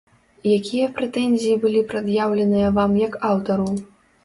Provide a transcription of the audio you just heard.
Якія прэтэнзіі былі прад'яўленыя вам як аўтару?